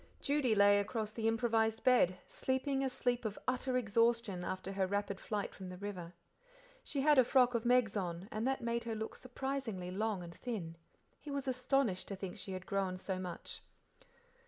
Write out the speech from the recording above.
Judy lay across the improvised bed, sleeping a sleep of utter exhaustion after her rapid flight from the river. She had a frock of Meg's on, that made her look surprisingly long and thin; he was astonished to think she had grown so much.